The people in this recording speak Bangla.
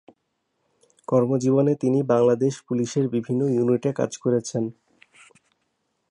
কর্মজীবনে তিনি বাংলাদেশ পুলিশের বিভিন্ন ইউনিটে কাজ করেছেন।